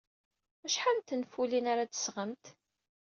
Acḥal n tenfulin ara d-tesɣemt?